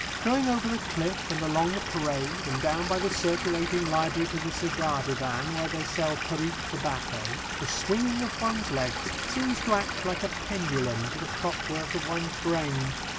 Going over the cliff and along the parade, and down by the circulating library to the cigar divan, where they sell Parique tobacco, the swinging of one's legs seems to act like a pendulum to the clockwork of one's brain.